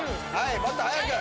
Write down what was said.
もっと速く。